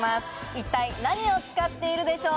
一体何を使っているでしょうか。